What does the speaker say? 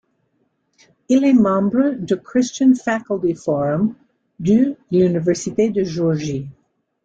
Il est membre du Christian Faculty Forum de l'Université de Géorgie.